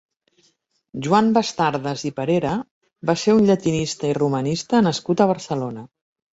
Joan Bastardas i Parera va ser un llatinista i romanista nascut a Barcelona.